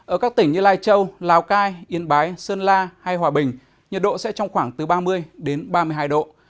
ở các tỉnh như lai châu lào cai yên bái sơn la hay hòa bình nhiệt độ sẽ trong khoảng từ ba mươi đến ba mươi hai độ